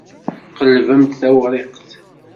Qelbemt tawṛiqt.